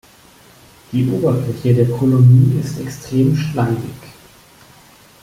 Die Oberfläche der Kolonie ist extrem schleimig.